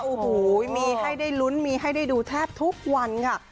โอ้โหมีให้ได้ลุ้นมีให้ได้ดูแทบทุกวันค่ะ